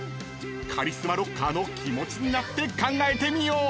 ［カリスマロッカーの気持ちになって考えてみよう］